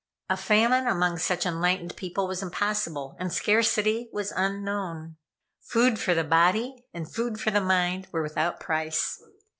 A famine among such enlightened people was impossible, and scarcity was unknown. Food for the body and food for the mind were without price.